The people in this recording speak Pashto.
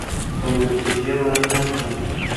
خو نتيجه ورنه کړه.